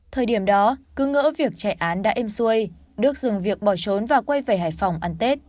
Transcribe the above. thời điểm đó cứ ngỡ việc chạy án đã êm xuôi đức dừng việc bỏ trốn và quay về hải phòng ăn tết